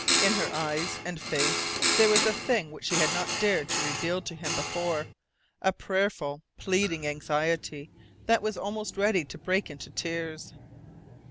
In her eyes and face there was a thing which she had not dared to reveal to him before a prayerful, pleading anxiety that was almost ready to break into tears.